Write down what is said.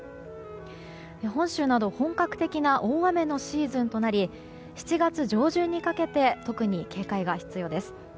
本州などは本格的な大雨のシーズンとなり７月上旬にかけて特に警戒が必要です。